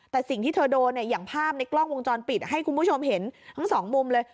แต่สิ่งที่เธอโดนเนี่ยอย่างภาพในกล้องวงจรปิดให้คุณผู้ชมเห็นทั้งสองมุมเลย